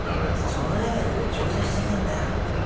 そのレベルで挑戦してくんなよみたいな。